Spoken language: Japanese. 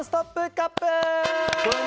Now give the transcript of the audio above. カップ！